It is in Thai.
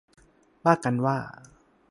ว่ากันว่า